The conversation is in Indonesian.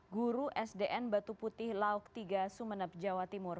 guru sdn batu putih lauk tiga sumeneb jawa timur